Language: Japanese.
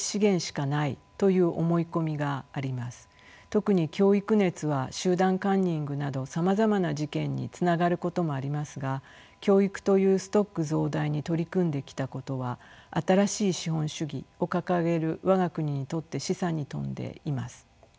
特に教育熱は集団カンニングなどさまざまな事件につながることもありますが教育というストック増大に取り組んできたことは新しい資本主義を掲げる我が国にとって示唆に富んでいます。